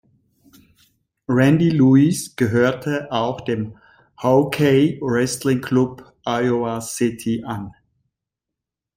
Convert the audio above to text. Randy Lewis gehörte auch dem Hawkeye Wrestling Club Iowa City an.